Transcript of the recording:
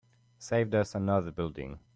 Saved us another building.